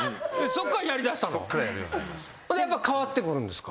やっぱ変わってくるんですか？